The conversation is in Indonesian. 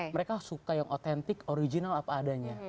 mereka suka yang otentik original apa adanya